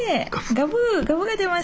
ガブが出ました。